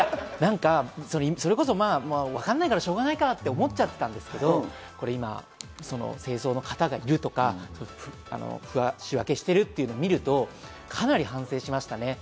それこそわかんないから、しょうがないかって思っちゃってたんですけど、今、清掃の方がいるとか、仕分けしているっていうのを見ると、かなり反省しましたね。